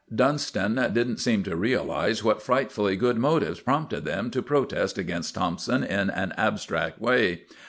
Dunston didn't seem to realize what frightfully good motives prompted them to protest against Thompson in an abstract way.